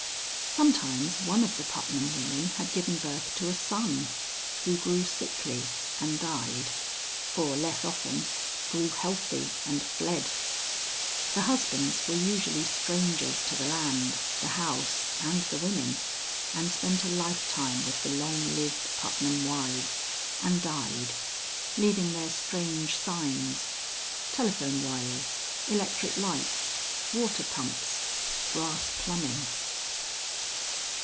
Sometimes one of the Putnam women had given birth to a son, who grew sickly and died, or less often, grew healthy and fled. The husbands were usually strangers to the land, the house, and the women, and spent a lifetime with the long lived Putnam wives, and died, leaving their strange signs: telephone wires, electric lights, water pumps, brass plumbing.